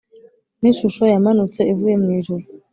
n ishusho yamanutse ivuye mu ijuru